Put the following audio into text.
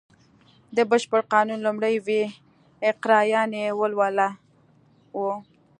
د بشپړ قانون لومړی ویی اقرا یانې ولوله و